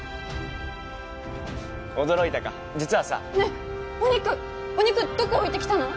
驚いたか実はさねえお肉お肉どこ置いてきたの？